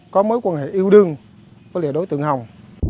có mối quan hệ yêu đương với đối tượng hồng